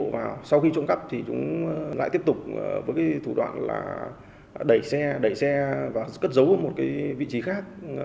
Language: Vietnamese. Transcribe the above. và cất giấu ở một vị trí khác